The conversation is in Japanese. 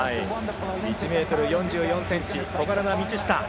１ｍ４４ｃｍ小柄な道下。